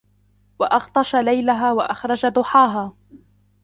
وأغطش ليلها وأخرج ضحاها